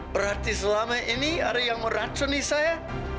berarti selama ini ada yang meracuni saya